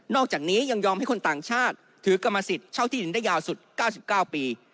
อกจากนี้ยังยอมให้คนต่างชาติถือกรรมสิทธิ์เช่าที่ดินได้ยาวสุด๙๙ปี